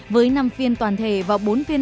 với năm phiên toàn thể